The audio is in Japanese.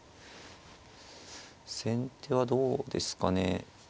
先手はどうですかね。